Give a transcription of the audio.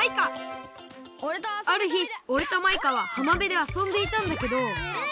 あるひおれとマイカははまべであそんでいたんだけどあっずるい。